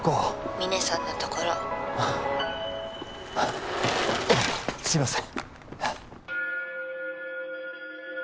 ☎峰さんのところあっすいません